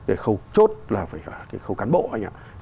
để khẩu chốt là phải khẩu cán bộ anh ạ